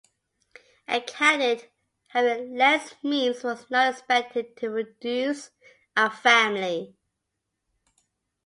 A cadet, having less means, was not expected to produce a family.